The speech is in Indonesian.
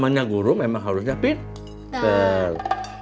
yang namanya guru memang harusnya pinter